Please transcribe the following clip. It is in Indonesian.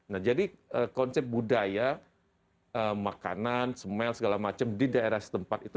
nah jadi konsep budaya makanan smell segala macam di daerah setempat itu